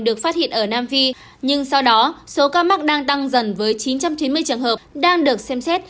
được phát hiện ở nam phi nhưng sau đó số ca mắc đang tăng dần với chín trăm chín mươi trường hợp đang được xem xét